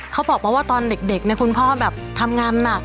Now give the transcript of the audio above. เขาบอกว่าว่าตอนเด็กคุณพ่อทำงานหนัก